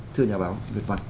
thưa nhà báo việt văn